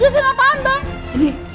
jelasin apaan bang